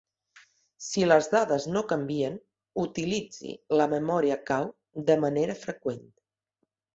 Si les dades no canvien, utilitzi la memòria cau de manera freqüent.